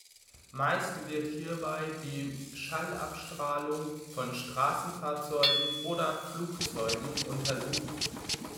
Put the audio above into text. Meist wird hierbei die Schallabstrahlung von Straßenfahrzeugen oder Flugzeugen untersucht.